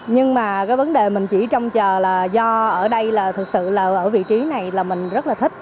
nhưng mà cái vấn đề mình chỉ trông chờ là do ở đây là thực sự là ở vị trí này là mình rất là thích